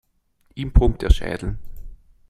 Ihm brummt der Schädel.